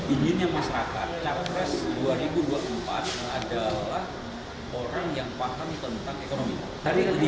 inginnya masyarakat capres dua ribu dua puluh empat adalah orang yang paham tentang ekonomi